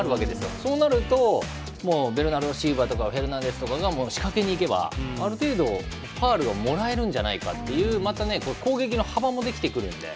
それでベルナルド・シルバとかフェルナンデスが仕掛けに行けばある程度、ファウルをもらえるんじゃないかという攻撃の幅もできてくるので。